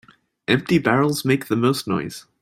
Empty barrels make the most noise.